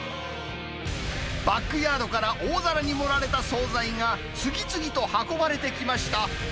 バックヤードから大皿に盛られた総菜が、次々と運ばれてきました。